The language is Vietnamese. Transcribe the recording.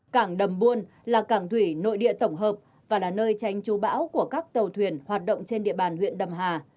cảng đầm buôn là cảng thủy nội địa tổng hợp và là nơi tránh chú bão của các tàu thuyền hoạt động trên địa bàn huyện đầm hà